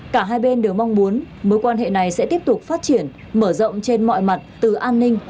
cả hai bên đều mong muốn mối quan hệ này sẽ tiếp tục phát triển mở rộng trên mọi mặt từ an ninh